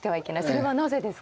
それはなぜですか？